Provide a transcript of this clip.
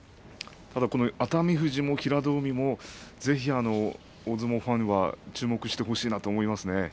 ただ熱海富士も平戸海もぜひ大相撲ファンは注目してほしいなと、思いますね。